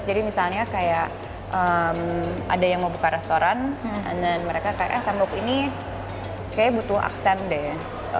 jadi misalnya kayak ada yang mau buka restoran and then mereka kayak eh tembok ini kayaknya butuh aksen deh